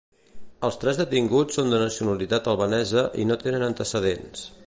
Els tres detinguts són de nacionalitat albanesa i no tenen antecedents.